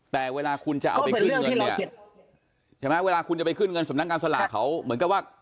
แต่เวลาคุณจะเอาไปให้มีเงินแหล่ะเวลาคุณจะไปขึ้นเงินสำนักการสลากเขาเหมือนกันว่ะ